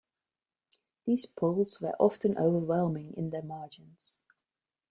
These polls were often overwhelming in their margins.